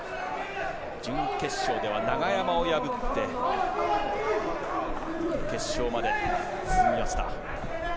準決勝では永山を破って決勝まで進みました。